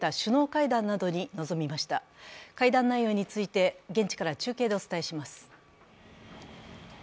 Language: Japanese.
会談内容について現地から中継でお伝えします。